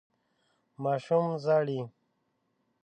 ماشوم ژاړي.